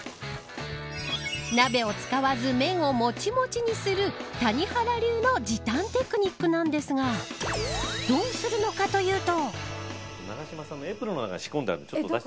鍋を使わず麺をもちもちにする谷原流の時短テクニックなんですがどうするのかというと。